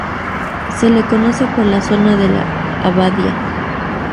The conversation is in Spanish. Se le conoce por la zona de la Abadía.